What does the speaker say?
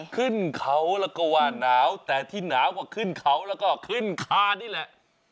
ขึ้นเขาแล้วก็ว่าหนาวแต่ที่หนาวก็ขึ้นเขาแล้วก็ขึ้นคานี่แหละ